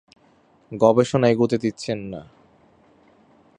গবেষণা এগুতে দিচ্ছেন না।